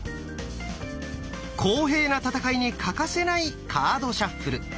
公平な戦いに欠かせないカードシャッフル。